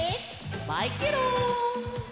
バイケロン！